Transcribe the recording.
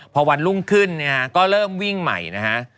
พอวันรุ่งขึ้นเนี่ยก็เริ่มวิ่งใหม่นะฮะ